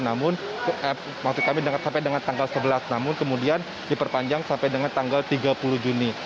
namun maksud kami sampai dengan tanggal sebelas namun kemudian diperpanjang sampai dengan tanggal tiga puluh juni